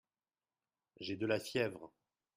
J'ai de la fièvre.